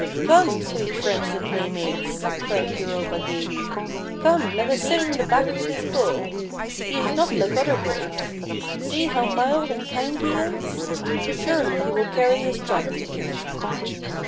'Come, sweet friends and playmates!' cried Europa gayly. 'Come, let us sit on the back of this Bull! He is not like other Bulls! See how mild and kind he is! Surely he will carry us gently